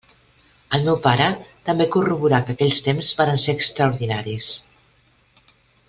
El meu pare també corroborà que aquells temps varen ser extraordinaris.